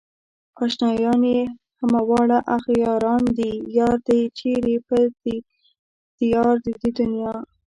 اشنايان يې همه واړه اغياران دي يار دئ چيرې په ديار د دې دنيا